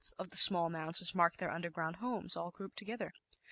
Y of the small mounds which mark their underground homes, all grouped together.